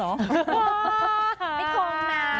ไม่กมนะ